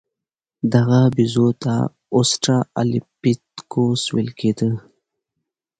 دغه بیزو ته اوسترالوپیتکوس ویل کېده.